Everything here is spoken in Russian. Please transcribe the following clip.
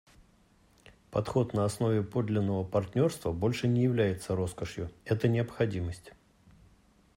Подход на основе подлинного партнерства больше не является роскошью; это — необходимость.